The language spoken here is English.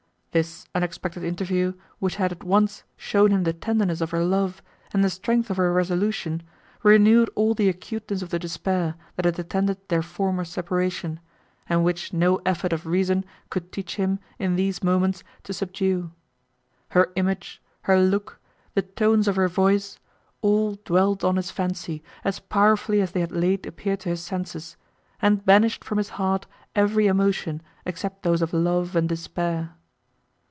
This unexpected interview, which had at once shown him the tenderness of her love and the strength of her resolution, renewed all the acuteness of the despair, that had attended their former separation, and which no effort of reason could teach him, in these moments, to subdue. Her image, her look, the tones of her voice, all dwelt on his fancy, as powerfully as they had late appeared to his senses, and banished from his heart every emotion, except those of love and despair.